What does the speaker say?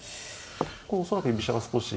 恐らく居飛車が少し。